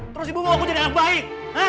terus ibu mau aku jadi anak baik